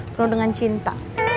penuh dengan cinta